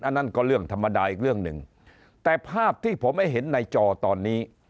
นั่นก็เรื่องธรรมดาอีกเรื่องหนึ่งแต่ภาพที่ผมให้เห็นในจอตอนนี้